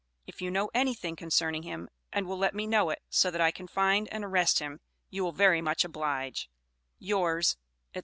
If you know anything concerning him and will let me know it, so that I can find and arrest him, you will very much oblige Yours, &c.